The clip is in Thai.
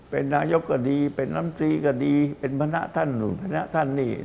เป็นนายกดีเป็นนำตรีกดีเป็นพระน่าท่านหนูพระน่าท่านนี่